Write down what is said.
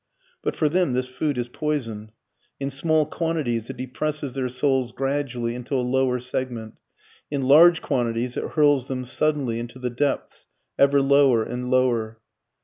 But for them this food is poison; in small quantities it depresses their souls gradually into a lower segment; in large quantities it hurls them suddenly into the depths ever lower and lower.